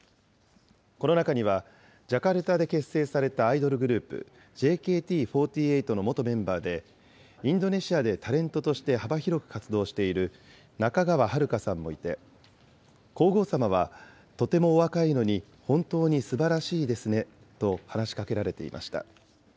この中には、ジャカルタで結成されたアイドルグループ、ＪＫＴ４８の元メンバーで、インドネシアでタレントとして幅広く活動している仲川遥香さんもいて、皇后さまは、とてもお若いのに、本当にすばらしいですね、と話しかけられていました。